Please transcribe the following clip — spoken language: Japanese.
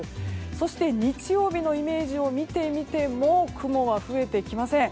そして日曜日のイメージを見てみても雲は増えてきません。